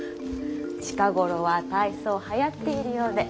近頃は大層はやっているようで。